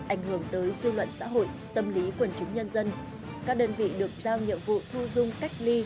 ảnh hưởng tới dư luận xã hội tâm lý quần chúng nhân dân các đơn vị được giao nhiệm vụ thu dung cách ly